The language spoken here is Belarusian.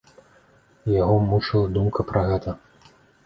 Яго мучыла думка пра гэта.